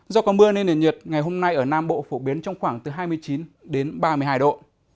do có mưa nên nền nhiệt ngày hôm nay ở nam bộ phổ biến trong khoảng từ hai mươi chín đến ba mươi hai độ